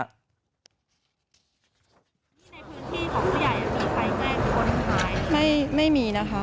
ในพื้นที่ของผู้ใหญ่มีใครแจ้งคนหาย